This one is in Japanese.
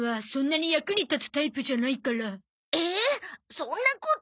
そんなこと。